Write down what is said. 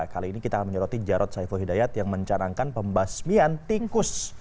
kali ini kita akan menyoroti jarod saiful hidayat yang mencanangkan pembasmian tingkus